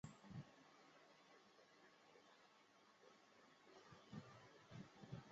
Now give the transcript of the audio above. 李绚人。